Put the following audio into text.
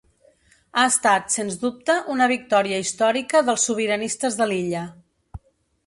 Ha estat, sens dubte, una victòria històrica dels sobiranistes de l’illa.